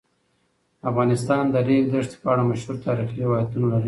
افغانستان د د ریګ دښتې په اړه مشهور تاریخی روایتونه لري.